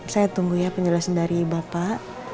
saya tunggu ya penjelasan dari bapak